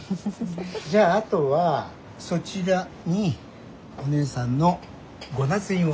じゃああとはそちらにお姉さんのご捺印を。